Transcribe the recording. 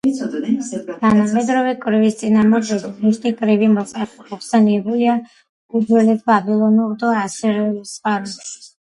თანამედროვე კრივის წინამორბედი - მუშტი კრივი მოხსენიებულია უძველეს ბაბილონურ და ასირიულ წყაროებში